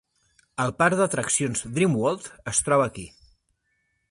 El parc d'atraccions Dream World es troba aquí.